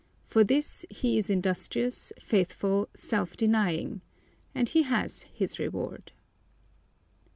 For this he is industrious, faithful, self denying; and he has his reward.